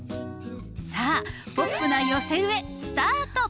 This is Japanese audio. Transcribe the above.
さあポップな寄せ植えスタート！